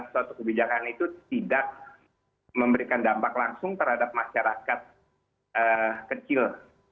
suatu kebijakan itu tidak memberikan dampak langsung terhadap masyarakat kecil